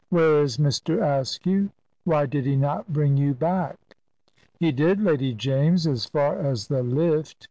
"Where is Mr. Askew? Why did he not bring you back?" "He did, Lady James, as far as the lift.